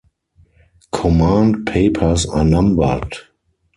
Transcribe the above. Command papers are numbered.